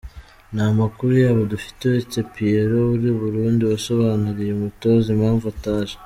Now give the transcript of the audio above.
Nta makuru yabo dufite uretse Pierrot uri i Burundi wasobanuriye umutoza impamvu ataje.